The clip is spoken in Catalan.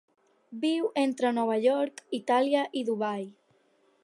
Viu entre Nova York, Itàlia i Dubai.